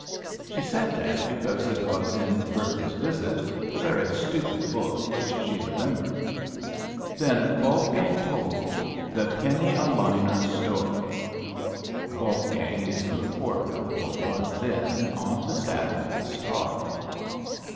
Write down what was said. She said that because it was in "Bertha's Visit," a very stupid book which she remembered. Then Wolfgang told THE PENNY A LINER'S STORY. [Wolfgang is a reporter, or was then, on the staff of the "Star."